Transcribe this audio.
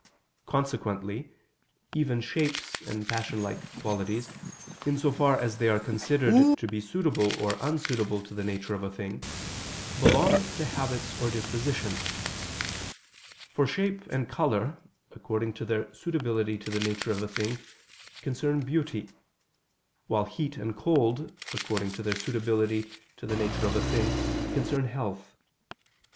Consequently even shapes and passion like qualities, in so far as they are considered to be suitable or unsuitable to the nature of a thing, belong to habits or dispositions: for shape and color, according to their suitability to the nature of thing, concern beauty; while heat and cold, according to their suitability to the nature of a thing, concern health.